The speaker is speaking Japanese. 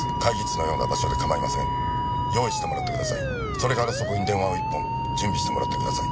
それからそこに電話を１本準備してもらってください。